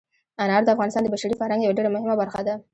انار د افغانستان د بشري فرهنګ یوه ډېره مهمه برخه ده.